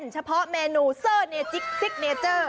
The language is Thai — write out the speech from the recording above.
เฉพาะเมนูเซอร์เนจิ๊กซิกเนเจอร์